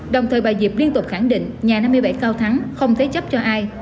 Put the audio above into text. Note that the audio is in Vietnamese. đồng thời bà diệp liên tục khẳng định nhà năm mươi bảy cao thắng không thế chấp cho ai